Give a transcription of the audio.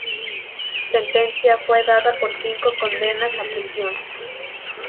Sentencia fue dada con cinco condenas a prisión.